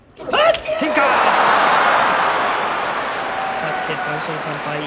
勝って３勝３敗。